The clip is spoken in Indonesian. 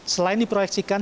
selain di proyeksi kesehatan